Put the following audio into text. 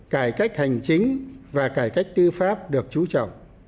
cải cách hành chính và cải cách tư pháp được chú trí